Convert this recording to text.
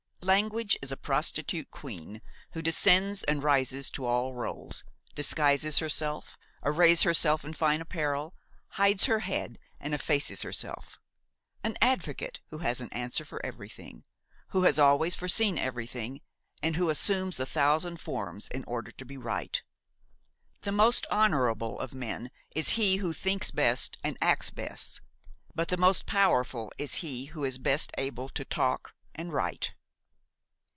Language is a prostitute queen who descends and rises to all rôles, disguises herself, arrays herself in fine apparel, hides her head and effaces herself; an advocate who has an answer for everything, who has always foreseen everything, and who assumes a thousand forms in order to be right. The most honorable of men is he who thinks best and acts best, but the most powerful is he who is best able to talk and write.